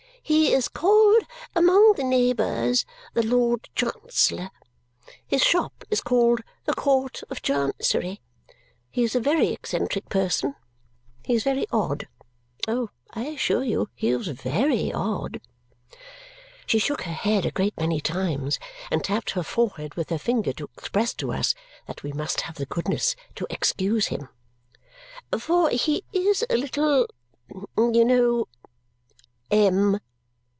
"He is called among the neighbours the Lord Chancellor. His shop is called the Court of Chancery. He is a very eccentric person. He is very odd. Oh, I assure you he is very odd!" She shook her head a great many times and tapped her forehead with her finger to express to us that we must have the goodness to excuse him, "For he is a little you know M!"